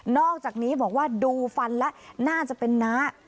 อกจากนี้บอกว่าดูฟันแล้วน่าจะเป็นน้า